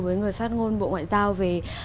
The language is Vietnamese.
với người phát ngôn bộ ngoại giao về